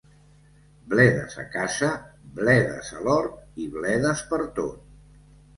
Bledes a casa, bledes a l'hort i bledes per tot.